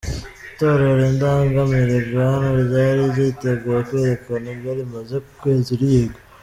Itorero Indangamirwa, hano ryari ryiteguye kwerekana ibyo rimaze ukwezi ryiga.